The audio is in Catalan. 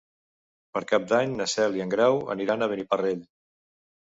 Per Cap d'Any na Cel i en Grau aniran a Beniparrell.